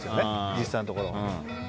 実際のところ。